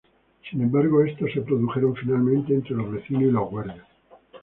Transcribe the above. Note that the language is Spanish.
Sin embargo, estos se produjeron finalmente entre los vecinos y los guardias.